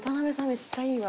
めっちゃいいわ。